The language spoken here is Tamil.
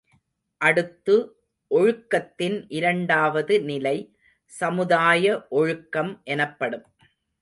அடுத்து ஒழுக்கத்தின் இரண்டாவது நிலை, சமுதாய ஒழுக்கம் எனப்படும்.